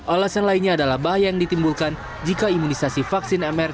alasan lainnya adalah bahaya yang ditimbulkan jika imunisasi vaksin mr